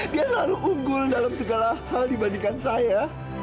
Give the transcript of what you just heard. dia selalu unggul dalam segala hal dibandingkan saya